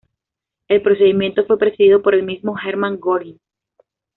El procedimiento fue presidido por el mismo Hermann Göring.